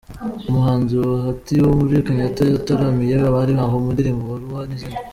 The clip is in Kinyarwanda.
Umuhanzi Bahati wo muri Kenya yataramiye abari aho mu ndirimbo Barua n'izindi.